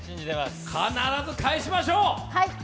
必ず返しましょう。